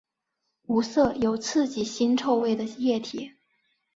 无色有刺激腥臭味的液体。